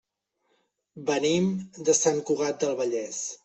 Venim de Sant Cugat del Vallès.